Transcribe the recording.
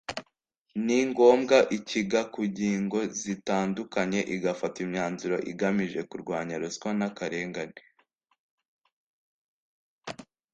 ni ngombwa ikiga ku ngingo zitandukanye igafata imyanzuro igamije kurwanya ruswa n akarengane